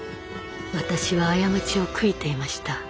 私は過ちを悔いていました。